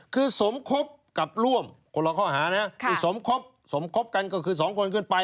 คือสมคบกับร่วมคนละข้อหานะคือสมคบสมคบกันก็คือสองคนขึ้นไป